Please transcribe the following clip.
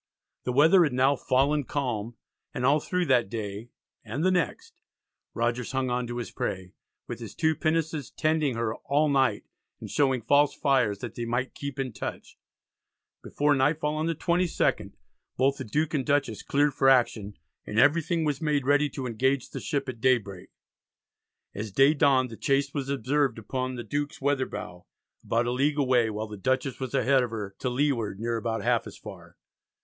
The weather had now "fallen calm," and all through that day and the next Rogers hung on to his prey, with his two pinnaces tending her "all night," and showing "false fires" that they might keep in touch. Before nightfall on the 22nd, both the Duke and Dutchess cleared for action, and everything was made ready to engage the ship at daybreak. As day dawned the chase was observed upon the Duke's weather bow, about a league away, while the Dutchess was ahead of her "to leeward near about half as far."